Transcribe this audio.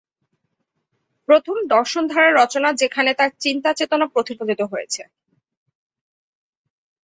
প্রথম দর্শন ধারার রচনা যেখানে তার চিন্তা চেতনা প্রতিফলিত হয়েছে।